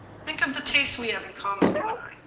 Think of the tastes we have in common, you and I.